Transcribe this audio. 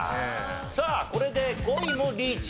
さあこれで５位もリーチ。